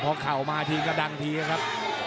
เพราะเข้ามาที่กระดังทีครับ